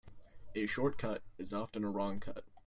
A short cut is often a wrong cut.